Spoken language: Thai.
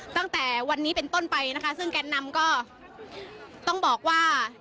ตั้งแต่วันนี้เป็นต้นไปนะคะซึ่งแกนนำก็ต้องบอกว่า